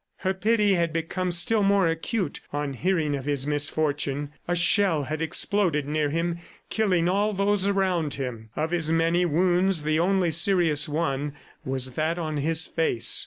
Her pity had become still more acute on hearing of his misfortune. A shell had exploded near him, killing all those around him. Of his many wounds, the only serious one was that on his face.